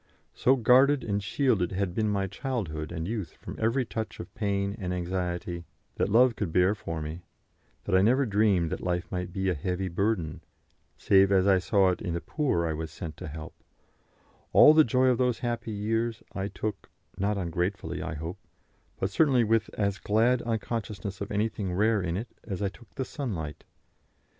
So guarded and shielded had been my childhood and youth from every touch of pain and anxiety that love could bear for me, that I never dreamed that life might be a heavy burden, save as I saw it in the poor I was sent to help; all the joy of those happy years I took, not ungratefully I hope, but certainly with as glad unconsciousness of anything rare in it as I took the sunlight.